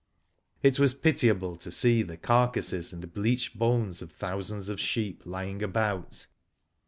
It was pitiable to see the carcasses and bleached bones of thousands of sheep lying about.